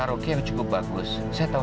oke kalau begitu